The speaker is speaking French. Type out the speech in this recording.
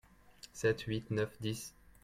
Sept, huit, neuf, dix.